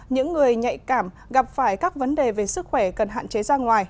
những người nhạy cảm gặp phải các vấn đề về sức khỏe cần hạn chế ra ngoài